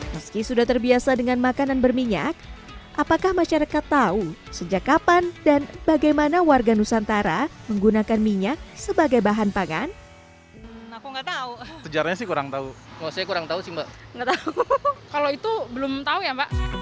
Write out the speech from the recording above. meski sudah terbiasa dengan makanan berminyak apakah masyarakat tahu sejak kapan dan bagaimana warga nusantara menggunakan minyak sebagai bahan pangan